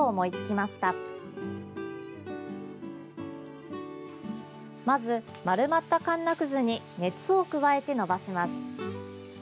まず、丸まったかんなくずに熱を加えて伸ばします。